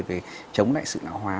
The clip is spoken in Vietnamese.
về chống lại sự lão hóa